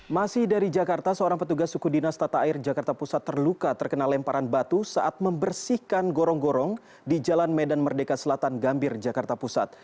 masih dari jakarta seorang petugas suku dinas tata air jakarta pusat terluka terkena lemparan batu saat membersihkan gorong gorong di jalan medan merdeka selatan gambir jakarta pusat